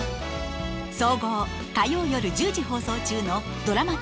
総合火曜夜１０時放送中のドラマ１０